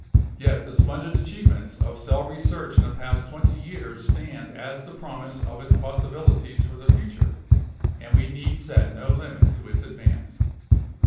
Yet the splendid achievements of cell research in the past twenty years stand as the promise of its possibilities for the future, and we need set no limit to its advance.